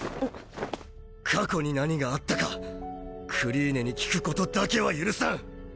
過去に何があったかクリーネに聞くことだけは許さん！